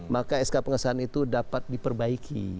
maka sk pengesahan itu dapat diperbaiki